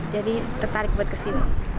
jadi tertarik buat kesini